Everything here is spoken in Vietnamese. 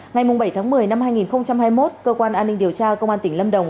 ngày bảy tháng một mươi năm hai nghìn hai mươi một cơ quan an ninh điều tra công an tỉnh lâm đồng